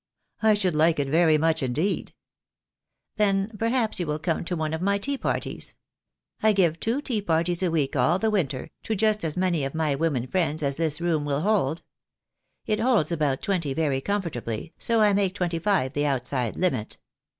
"I should like it very much indeed." "Then perhaps you will come to one of my tea parties. I give two tea parties a week all the winter, to just as many of my women friends as this room will hold. It holds about twenty very comfortably, so I make twenty five the outside limit.